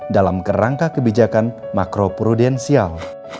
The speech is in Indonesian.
dalam kerangka kebijakan makro prudensial